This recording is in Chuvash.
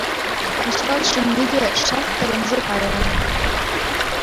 Мускав ҫынни те шалт тӗлӗнсе кайрӗ.